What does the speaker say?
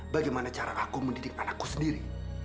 bagaimana cara aku mendidik anakku sendiri